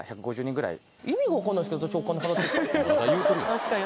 確かに。